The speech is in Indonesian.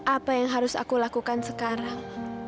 apa yang harus aku lakukan sekarang